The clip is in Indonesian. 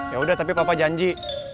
yaudah tapi papa janji